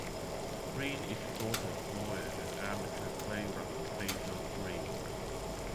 Greene is the daughter of lawyer and amateur playwright Basil Greene.